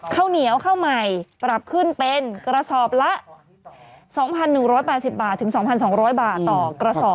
ข้าวเหนียวข้าวใหม่ปรับขึ้นเป็นกระสอบละ๒๑๘๐บาทถึง๒๒๐๐บาทต่อกระสอบ